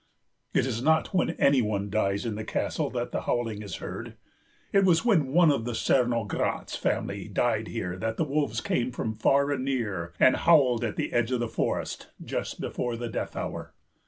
"It is not when any one dies in the castle that the howling is heard. It was when one of the Cernogratz family died here that the wolves came from far and near and howled at the edge of the forest just before the death hour.